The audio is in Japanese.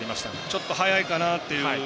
ちょっと早いかなという。